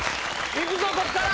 いくぞこっから。